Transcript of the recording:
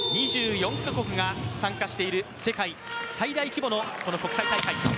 ２４か国が参加している世界最大規模の国際大会。